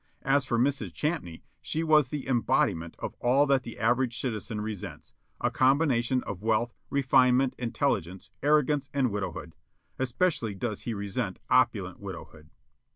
As for Mrs. Champney, she was the embodiment of all that the average citizen resents: a combination of wealth, refinement, intelligence, arrogance and widowhood. Especially does he resent opulent widowhood.